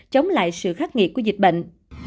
chống lại sự khắc nghiệt của dịch bệnh